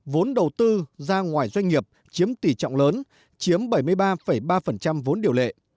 vốn đầu tư ra ngoài doanh nghiệp chiếm tỷ trọng lớn chiếm bảy mươi ba ba vốn điều lệ